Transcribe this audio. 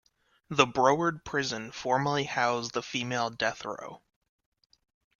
The Broward prison formerly housed the female death row.